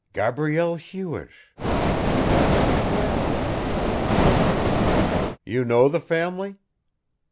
"Gabrielle Hewish ... Well, well." "You know the family?"